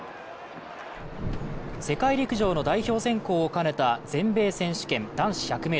世界陸上の代表選考を兼ねた全米選手権男子１００ｍ。